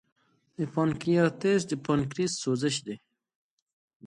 د پانکریاتایټس د پانکریاس سوزش دی.